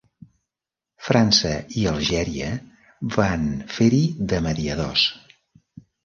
França i Algèria van fer-hi de mediadors.